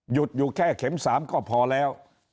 อยู่แค่เข็ม๓ก็พอแล้ว